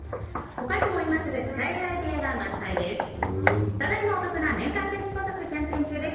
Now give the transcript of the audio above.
他にも今すぐ使えるアイデアが満載です。